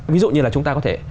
ví dụ như là chúng ta có thể